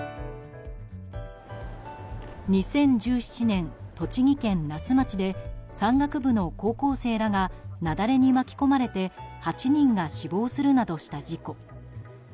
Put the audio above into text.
２０１７年、栃木県那須町で山岳部の高校生らが雪崩に巻き込まれて８人が死亡するなどした事故。